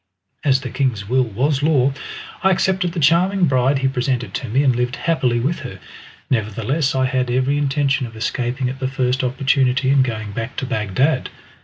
As the king's will was law I accepted the charming bride he presented to me, and lived happily with her. Nevertheless I had every intention of escaping at the first opportunity, and going back to Bagdad.